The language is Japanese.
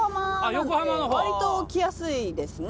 割と来やすいですね。